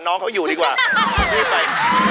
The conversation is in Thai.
น้องเขาอยู่ดีกว่ารีบไป